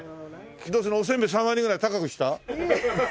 おせんべい３割ぐらい高くした？